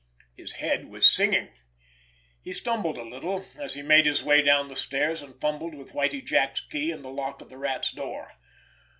His head was singing. He stumbled a little, as he made his way down the stairs, and fumbled with Whitie Jack's key in the lock of the Rat's door.